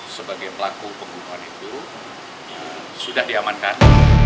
sebagai pelaku pembunuhan itu sudah diamankan